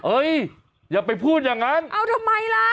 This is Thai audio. เอ๊ยอย่าไปพูดอย่างนั้นโอ้โธเอ้าทำไมล่ะ